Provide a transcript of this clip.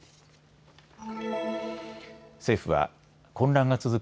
政府は混乱が続く